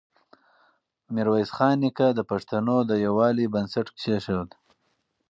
ميرويس خان نیکه د پښتنو د يووالي بنسټ کېښود.